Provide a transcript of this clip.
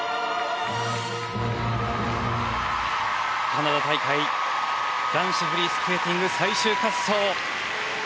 カナダ大会男子フリースケーティング最終滑走。